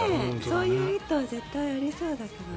そういう意図は絶対ありそう。